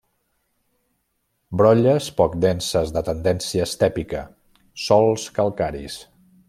Brolles poc denses de tendència estèpica, sòls calcaris.